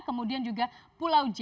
kemudian juga pulau j